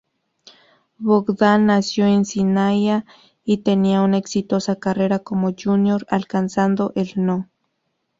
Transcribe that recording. Bogdan nació en Sinaia y tenía una exitosa carrera como junior, alcanzando el no.